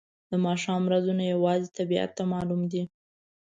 د ماښام رازونه یوازې طبیعت ته معلوم دي.